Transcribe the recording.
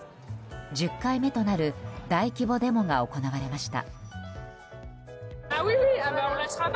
１０回目となる大規模デモが行われました。